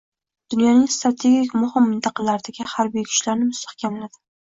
dunyoning strategik muhim mintaqalaridagi harbiy kuchlarini mustahkamladi.